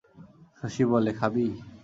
শশী বলে, খাবি।